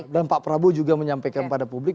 dan pak prabowo juga menyampaikan kepada publik